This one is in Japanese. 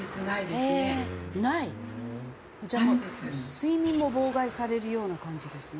じゃあもう睡眠も妨害されるような感じですね。